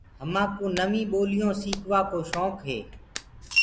همآ ڪوُ نوينٚ ٻوليونٚ سيڪوآ ڪو شوڪ هي۔